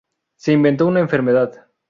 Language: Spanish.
Se inventó una enfermedad.